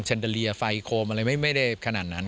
เตอเลียไฟโคมอะไรไม่ได้ขนาดนั้น